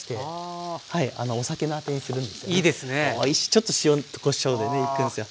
ちょっと塩こしょうでねいくんすよ。